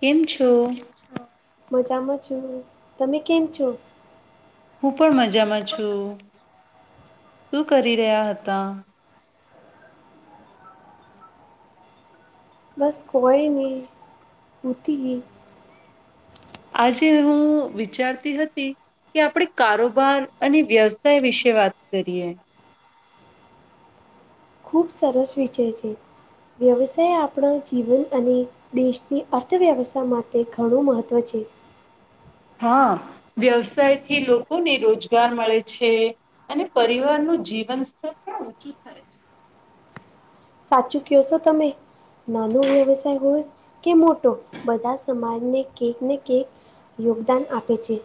કેમ છો? મજામાં છું, તમે કેમ છો? હું પણ મજામાં છું. શું કરી રહ્યા હતા? બસ કોએની ઉતીહી. આજે હું વિચારતી હતી કે આપણે કારોબાર અને વ્યવસાય વિશે વાત કરીએ. ખૂબ સરસ વિચે છે વ્યવસાય આપડે જીવન અને દેશની અર્થવ્યવસ્થા માટે ઘણું મહત્ત્વ છે. હા વ્યવસાય થી લોકોને રોજગાર મળે છે અને પરિવાર નું જીવન સ્તર પણ ઊંચું થાય છે. સાચું કશો તમે નાનો વ્યવસાય હોય કે મોટો બધા સમાજને કઈક ને કક યોગદાન આપે છે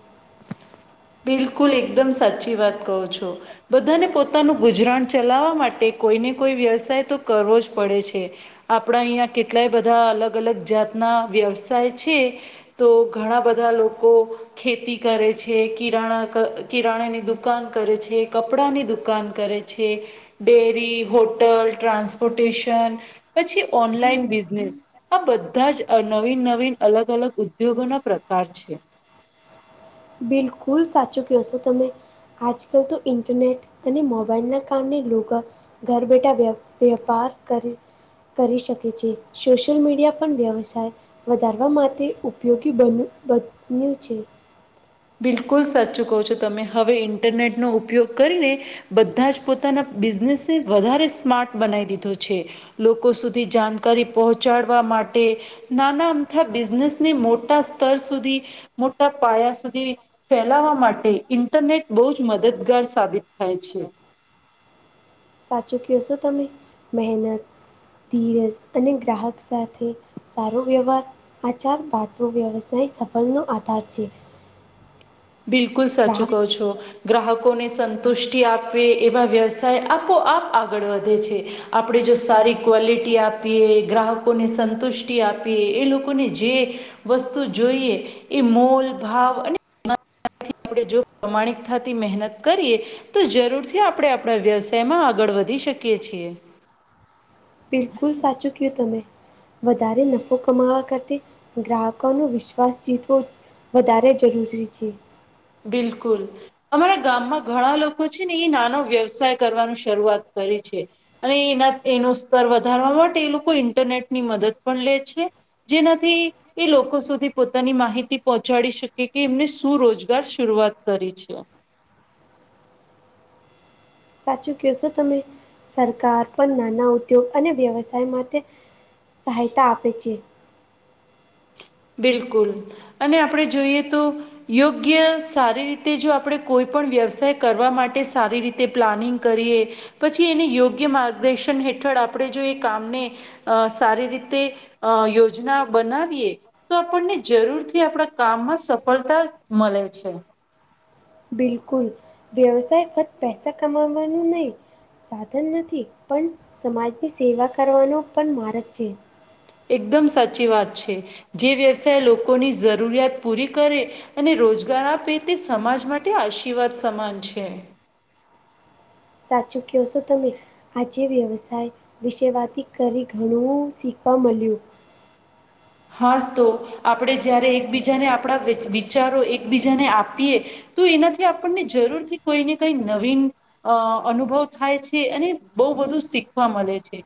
બિલકુલ એકદમ સાચી વાત કહું છો બધાને પોતાનું ગુજરાણ ચલાવવા માટે કોઈને કોઈ વ્યવસાય તો કરવો જ પડે છે આપણા અહીંયા કેટલાય બધા અલગ અલગ જાતના વ્યવસાય છે તો ઘણા બધા લોકો ખેતી કરે છે કિરાણા ક કિરાણાની દુકાન કરે છે કપડાંની દુકાન કરે છે ડેરી હોટલ ટ્રાન્સપોર્ટેશન પછી ઓનલાઈન બિઝનેસ આ બધા જ નવીન નવીન અલગ અલગ ઉદ્યોગો ના પ્રકાર છે બિલકુલ સાચું કહ છો તમે આજકાલ તો ઇન્ટરનેટ અને મોબાઈલના કારણે લોકો ઘર બેઠા વ વેપાર કરી કરી શકે છે સોશિયલ મીડિયા પણ વ્યવસાય વધારવા માટે ઉપયોગી બન બન્યું છે બિલકુલ સાચું કહો છો તમે હવે ઇન્ટરનેટનો ઉપયોગ કરીને બધા જ પોતાના બિઝનેસને વધારે સ્માર્ટ બનાવી દીધો છે લોકો સુધી જાણકારી પહોંચાડવા માટે નાના અમથા બિઝનેસને મોટા સ્તર સુધી મોટા પાયા સુધી ફેલાવા માટે ઇન્ટરનેટ બહુ જ મદદગાર સાબિત થાય છે સાચું કહેશો તમે મહેનત ધીરજ અને ગ્રાહક સાથે સારો વ્યવહાર આ ચાર પાત વ્યવસાય સફળનોો આધાર છે બિલકુલ સચ ગ્રાહક કહો છો ગ્રાહકોને સંતુષ્ટિ આપે એવા વ્યવસાય આપોઆપ આગળ વધે છે આપણે જો સારી ક્વોલિટી આપીએ ગ્રાહકોને સંતુષ્ટિ આપીએ એ લોકોને જે વસ્તુ જોઈએ એ મોલ ભાવ અને થી આપણે જો પ્રમાણિકતાતી મહેનત કરીએ તો જરૂરથી આપણે આપણા વ્યવસાયમાં આગળ વધી શકીએ છીએ બિલકુલ સાચું ક્યું તમે વધારે નફો કમાવા કરતા ગ્રાહકોનો વિશ્વાસ જીતવો વધારે જરૂરી છે બિલકુલ અમારા ગામમાં ઘણા લોકો છે ને એ નાનો વ્યવસાય કરવાનું શરૂઆત કરી છે અને એના એનું સ્તર વધારવા માટે એ લોકો ઇન્ટરનેટની મદદ પણ લે છે જેનાથી એ લોકો સુધી પોતાની માહિતી પહોંચાડી શકે કે એમને શું રોજ શરૂઆત કરી છે સાચું કહશો તમે સરકાર પણ નાના ઉદ્યોગ અને વ્યવસાય માટે સહાયતા આપે છે બિલકુલ અને આપડણે જોઈએ તો યોગ્ય સારી રીતે જો આપણે કોઈ પણ વ્યવસાય કરવા માટે સારી રીતે પ્લાનિંગ કરીએ પછી એને યોગ્ય માર્ગદર્શન હેઠળ આપણે જો એ કામને અ સારી રીતે અ યોજના બનાવીએ તો આપણને જરૂર થી આપણા કામમાં સફળતા મળે છે બિલકુલ વ્યવસાય ફત પૈસા કમાવાનું નહીિ સાધન નથી પણ સમાજની સેવા કરવાનો પણ માર્ગ છે એકદમ સાચી વાત છે જે વ્યવસાય લોકોની જરૂરિયાત પૂરી કરે અને રોજગાર આપે તે સમાજ માટે આશીર્વાદ સમાન છે સાચું કવ છો તમે આજે વ્યવસાય વિશે વાત કરી ઘણું શીખવા મળ્યું હાસ તો આપણે જ્યારે એકબીજાને આપણા વિચારો એકબીજાને આપીએ તો એનાથી આપણને જરૂર થી કોઈને કઈ નવીન અ અનુભવ થાય છે. અને બહુ બધું શીખવા મલે છે.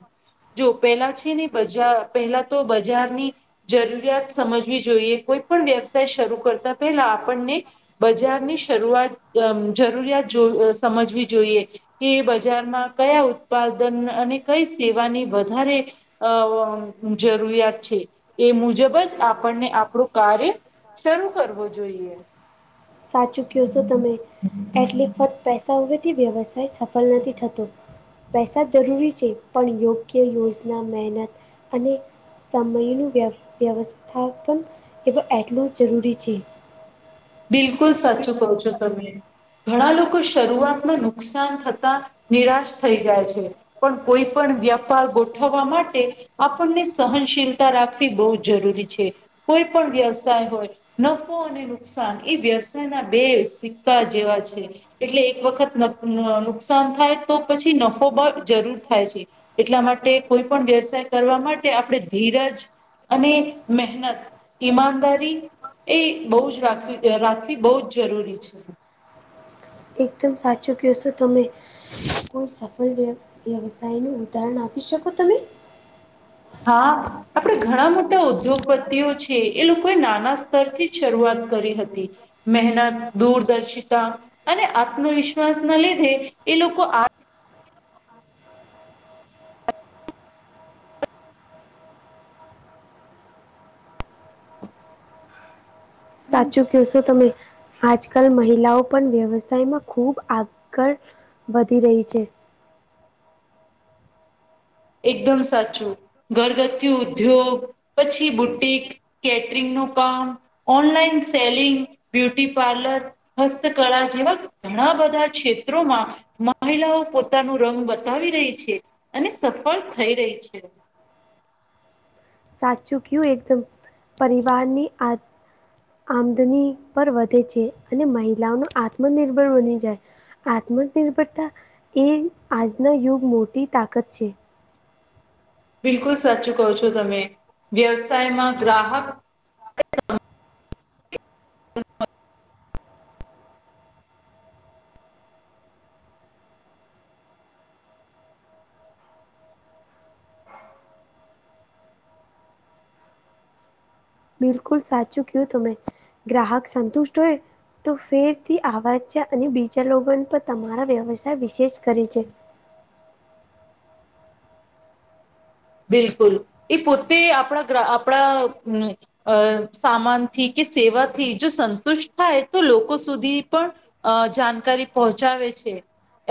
જો પેલા છે ને બજા પેલા તો બજારની જરૂરિયાત સમજવી જોઈએ. કોઈ પણ વ્યવસાય શરૂ કરતા પહેલા આપણને બજારની શરૂઆત આમ જરૂરિયાત જો સમજવી જોઈએ. કે બજારમાં કયા ઉત્પાદન અને કઈ સેવાની વધારે અ જરૂરિયાત છે. એ મુજબ જ આપણને આપણું કાર્ય શરૂ કરવો જોઈએ. સાચું કયો સો તમે. એટલી ફક્ત પૈસા હોવાથી વ્યવસ્ કંઈ સફલ નથી થતું. પૈસા જરૂરી છે. પણ યોગ્ય યોજના, મહેનત અને સમયનું વ્ય વ્યવસ્થાપન એટલે એટલું જરૂરી છે. બિલકુલ સાચું કહો છો તમે. ઘણા લોકો શરૂઆતમાં નુકસાન થતા નિરાશ થઈ જાય છે. પણ કોઈ પણ વ્યાપાર ગોઠવવા માટે આપણને સહનશીલતા રાખવી બહુ જરૂરી છે. કોઈ પણ વ્યવસાય હોય. નફો અને નુક કસાન એ વ્યવસાયના બે સિક્કા જેવા છે. એટલે એક વખત ન નુકસાન થાય તો પછી નફો બ જરૂર થાય છે. એટલા માટે કોઈ પણ વ્યવસાય કરવા માટે આપણે ધીરજ અને મહેનત, ઈમાનદારી એ બહુ જ રાખવી અ રાખવી બહુ જ જરૂરી છે. એકદમ સાચું કયો સો તમે. કોઈ સફળ વ્ય વ્યવસાયનું ઉદાહરણ આપી શકો તમે? હા આપણે ઘણા મોટા ઉદ્યોગપતિઓ છે એ લોકોએ નાના સ્તરથી જ શરૂઆત કરી હતી. મહેનત, દૂરદર્શિતા અને આત્મવિશ્વાસના લીધે એ લોકો આ હમ સાચું. કયો સો તમે. આજકલ મહિલાઓ પણ વ્યવસાયમાં ખુબ આગળ વધી રહી છે. એકદમ સાચું. ઘરગથ્થુ ઉદ્યોગ પછી બુટિક કેટરિંગનું કામ, ઓનલાઈન સેલિંગ, બ્યુટીપાર્લર. હસ્તકળા જેવા ઘણા બધા ક્ષેત્રોમાં મહિલાઓ પોતાનું રંગ બતાવી રહી છે. સફલ થઈ રહી છે. સાચું કયું એકદમ. પરિવારની આ આમદની પર વધે છે. અને મહિલાઓનું આત્મનિર્ભર બની જાય. આત્મનિર્ભરતા એ આજના યુગ મોટી તાકત છે. બિલકુલ સાચું કહો છો તમે. વ્યવસાયમાં ગ્રાહક [inaudible] બિલકુલ સાચું કયું તમે. ગ્રાહક સંતુષ્ટ હોય તો ફેરથી આવા છે અને બીજા લોકોને પણ તમારા વ્યવસાય વિશેષ કરે છે. બિલકુલ. એ પોતે આપણા ગ્રા આપણા અ સામાનથી કે સેવાથી જો સંતુષ્ટ થાય તો લોકો સુધી પણ અ જાનકારી પહોંચાવે છે.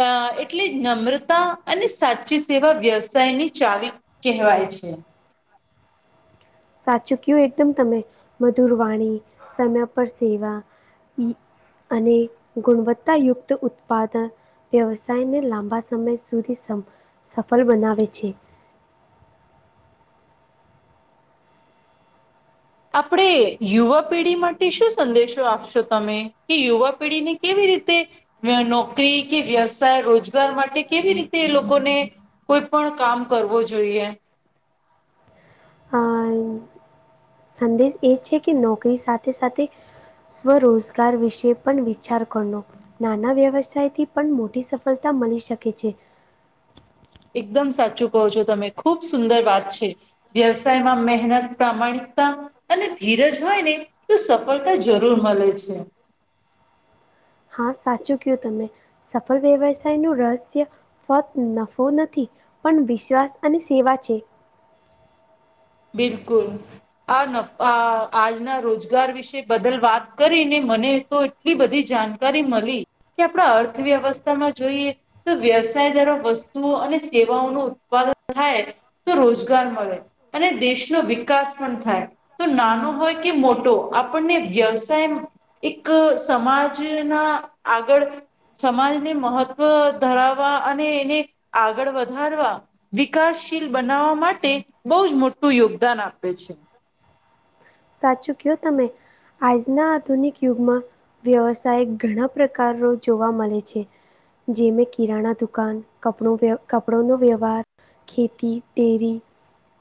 અ એટલે જ નમ્રતા અને સાચી સેવા વ્યવસાયની ચાવી કહેવાય છે. સાચું કયું એકદમ તમે. મધુરવાણી, સમય પર સેવા, ઈ અને ગુણવત્તાયુક્ત ઉત્પાદ વ્યવસાયને લાંબા સમય સુધી સમ સફલ બનાવે છે. આપણે યુવા પેઢી માટે શું સંદેશો આપશો તમે? કે યુવા પેઢીને કેવી રીતે નોકરી કે વ્યવસાય રોજગાર માટે કેવી રીતે લોકોને કોઈ પણ કામ કરવું જોઈએ. અ સંદેશ એ છે કે નોકરી સાથે સાથે સ્વરોજગાર વિશે પણ વિચાર નાના વ્યવસાયથી પણ મોટી સફળતા મળી શકે છે. એકદમ સાચું કહો છો તમે ખુબ સુંદર વાત છે. વ્યવસાયમાં મહેનત પ્રામાણિકતા અને ધીરજ હોય ને તો સફળતા જરૂર મળે છે. હા સાચું કું તમે સફળ વ્યવસાય નું રહસ્ય ફત નફો નથી પણ વિશ્વાસ અને સેવા છે બિલકુલ. આ નફ આ આજના રોજગાર વિશે બદલ વાત કરી ને મને તો એલી બધી જાણકારી મળી કે આપણા અર્થવ્યવસ્થામાં જોઈએ તો વ્યવસાય જરા વસ્તુઓ અને સેવાઓ ન ઉત્પાદન થાય તો રોજગાર મળે અને દેશનો વિકાસ પણ થાય. તો નાનો હોય કે મોટો આપણને વ્યવસાય એક સમાજના આગળ સમાજને મહત્વ ધરાવવા અને એને આગળ વધારવા વિકાસશીલ બનાવવા માટે બહુ જ મોટું યોગદાન આપે છે. સાચું કયો તમે આજના આધુનિક યુગમાં વ્યવસાય ઘણા પ્રકારનો જોવા મળે છે. જેમે કિરાણા દુકાન કપડ કપડોનો વ્યવહાર ખેતી, ડેરી,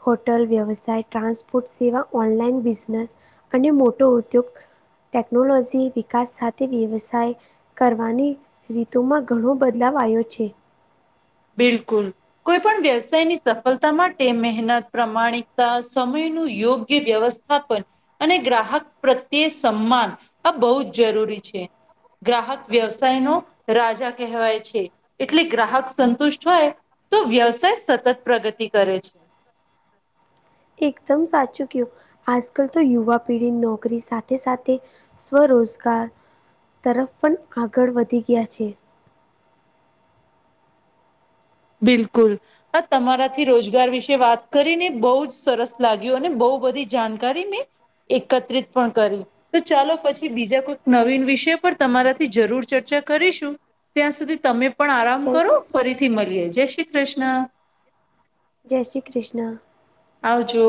હોટલ વ્યવસાય, ટ્રાન્સપોર્ટ સેવા, ઓનલાઈન બિઝને સ અને મોટો ઉદ્યોગ, ટેકનોલોજી, વિકાસ સાથે વ્યવસાય કરવાની રીતુમાં ઘણો બદલાવ આવ્યો છે. બિલકુલ. કોઈ પણ વ્યવસાયની સફળતા માટે મહેનત, પ્રામાણિકતા, સમયનું યોગ્ય વ્યવસ્થા થાપન અને ગ્રાહક પ્રત્યે સન્માન આ બહુ જ જરૂરી છે. ગ્રાહક વ્યવસાય નો રાજા કહેવાય છે. એટલે ગ્રાહક સ તુષ્ટ થાય તો વ્યવસાય સતત પ્રગતિ કરે છે. એકદમ સાચું કયું આજ કલ તો યુવા પેઢી નોકરી સાથે સાથે સ્વરોજગાર તરફ પણ આગળ વધી ગયા છે. બિલકુલ. આ તમારાથી રોજગાર વિશે વાત કરીને બહુ જ સરસ લાગ્યું અને બહુ બધી જાણકારી મેં એકત્રિત પણ કરી. તો ચાલો પછી બીજા કોઈક નવીન વિષય પર તમારાથી જરૂર ચર્ચા કરીશું. ત્યાં સુધી તમે પણ આરામ જય કરો ફરીથી મળીએ. જય શ્રી કૃષ્ણ. જય શ્રી કૃષ્ણ. આવજો.